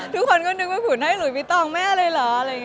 ทุกคนก็นึกว่าขุนให้หลุยวิตองแม่เลยเหรอ